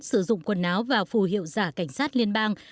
sử dụng quần áo và phù hiệu giả cảnh sát liên bang